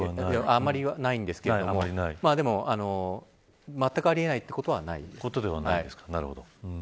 あんまり多くはないんですけれどもでも、まったくあり得ないってことはないです。